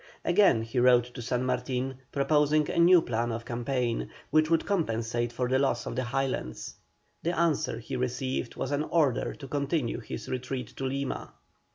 Again he wrote to San Martin, proposing a new plan of campaign, which would compensate for the loss of the Highlands. The answer he received was an order to continue his retreat to Lima.